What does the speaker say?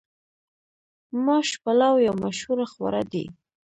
ماش پلو یو مشهور خواړه دي.